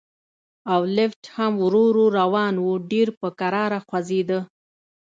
او لفټ هم ورو ورو روان و، ډېر په کراره خوځېده.